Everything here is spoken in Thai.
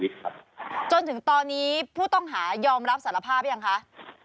ตอนนี้ผู้ต้องหายยอมรับสารภาพอย่างค่ะ